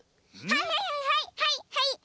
はいはいはいはい！